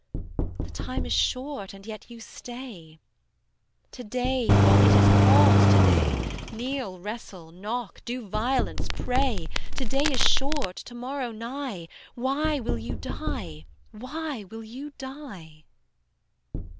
The time is short and yet you stay: To day, while it is called to day, Kneel, wrestle, knock, do violence, pray; To day is short, to morrow nigh: Why will you die? why will you die?